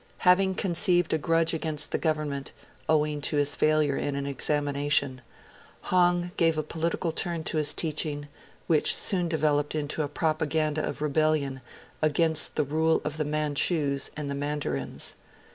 Having conceived a grudge against the Government, owing to his failure in an examination, Hong gave a political turn to his teaching, which soon developed into a propaganda of rebellion against the rule of the Manchus and the Mandarins.